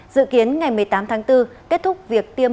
dự kiến ngày một mươi tám tháng bốn kết thúc việc tiêm